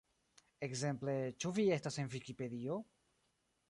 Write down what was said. Ekzemple "Ĉu vi estas en Vikipedio?